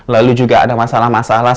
lalu juga ada masalah masalah